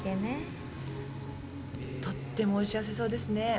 とってもお幸せそうですね。